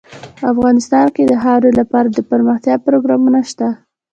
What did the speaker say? افغانستان کې د خاوره لپاره دپرمختیا پروګرامونه شته.